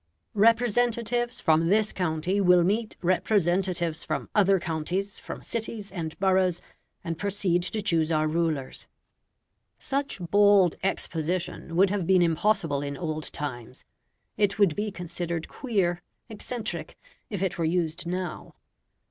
Representatives from this county will meet representatives from other counties, from cities and boroughs, and proceed to choose our rulers." Such bald exposition would have been impossible in old times; it would be considered queer, eccentric, if it were used now.